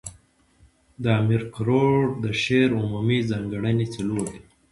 د امیر کروړ د شعر عمومي ځانګړني، څلور دي.